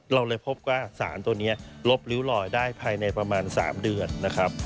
เราเลยพบว่าสารตัวนี้ลบริ้วลอยได้ภายในประมาณ๓เดือนนะครับ